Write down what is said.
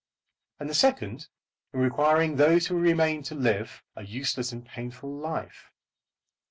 And the second, in requiring those who remain to live a useless and painful life.